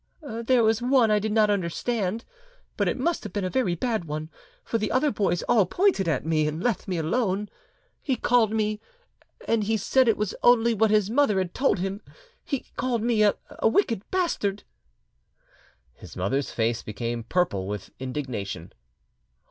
"There was one I did not understand, but it must have been a very bad one, for the other boys all pointed at me, and left me alone. He called me—and he said it was only what his mother had told him—he called me a wicked bastard!" His mother's face became purple with indignation.